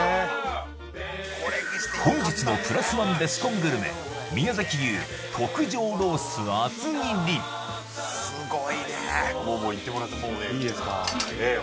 本日のプラスワンベスコングルメ宮崎牛すごいねもうもういってもらっていいですかねえ